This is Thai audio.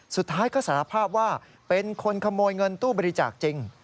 สุดท้ายก็สารภาพว่าเป็นคนขโมยเงินตู้บริจาคจริง